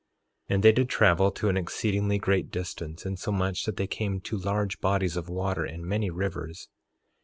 3:4 And they did travel to an exceedingly great distance, insomuch that they came to large bodies of water and many rivers.